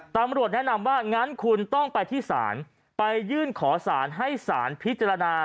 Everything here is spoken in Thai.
ตำรวจแนะนำว่างั้นคุณต้องไปที่ศาลไปยื่นขอสารให้สารพิจารณา